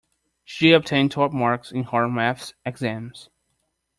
She obtained top marks in her maths exams.